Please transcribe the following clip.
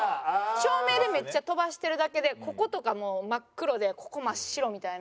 照明でめっちゃ飛ばしてるだけでこことかもう真っ黒でここ真っ白みたいな。